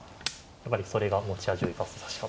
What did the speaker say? やっぱりそれが持ち味を生かす指し方。